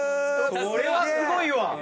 これはすごいわ！